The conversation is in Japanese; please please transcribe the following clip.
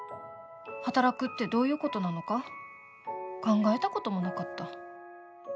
働くってどういうことなのか考えたこともなかった。